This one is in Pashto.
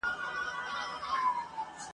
آیا د هغې قوم نه دئ معلوم؟